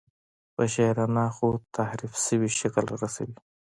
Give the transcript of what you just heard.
په شاعرانه خو تحریف شوي شکل رارسوي.